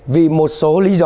vì một số lý do ca nhân